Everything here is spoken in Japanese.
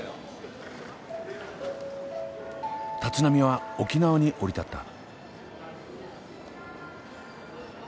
立浪は沖縄に降り立った。